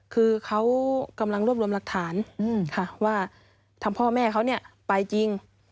คือเขากำลังรวบรวมหลักฐานค่ะว่าทางพ่อแม่เขาเนี่ยไปจริง